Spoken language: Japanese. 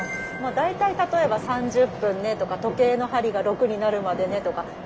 大体例えば３０分ねとか時計の針が６になるまでねとか。